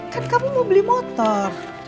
kan kamu mau beli motor